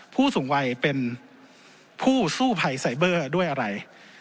ผู้สูงวัยเป็นผู้สู้ภัยไซเบอร์ด้วยอะไร